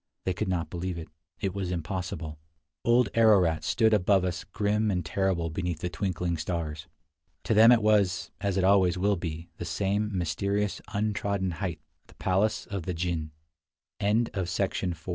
They could not believe it. It was impossible. Old Ararat stood above us grim and terrible beneath the twinkling stars. To them it was, as it always will be, the same mysterious, untrodden height — the pal